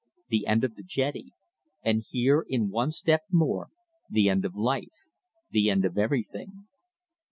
The end of the jetty; and here in one step more the end of life; the end of everything.